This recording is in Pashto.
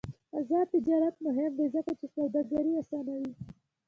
آزاد تجارت مهم دی ځکه چې سوداګري اسانوي.